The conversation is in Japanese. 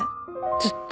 ずっと？